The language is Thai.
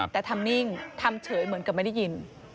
แต่ทำนิ่งทำเฉยเหมือนกับไม่ได้ยิน